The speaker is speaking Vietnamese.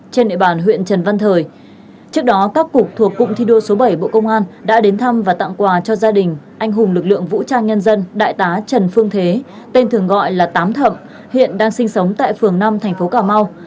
trước đó các cục thuộc cụm thi đua số bảy bộ công an đã đến thăm và tặng quà cho gia đình anh hùng lực lượng vũ trang nhân dân đại tá trần phương thế tên thường gọi là tám thẩm hiện đang sinh sống tại phường năm thành phố cà mau